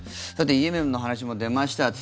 さてイエメンの話も出ました。